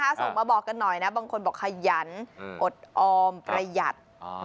ส่งมาบอกกันหน่อยนะบางคนบอกขยันอดออมประหยัด